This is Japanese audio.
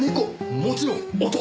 もちろん男。